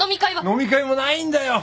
飲み会もないんだよ。